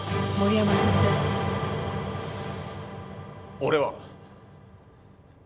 俺は。